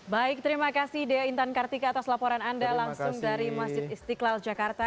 baik terima kasih dea intan kartika atas laporan anda langsung dari masjid istiqlal jakarta